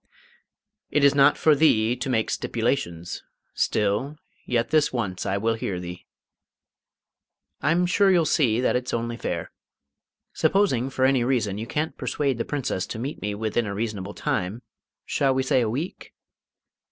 "It is not for thee to make stipulations. Still, yet this once I will hear thee." "I'm sure you'll see that it's only fair. Supposing, for any reason, you can't persuade the Princess to meet me within a reasonable time shall we say a week?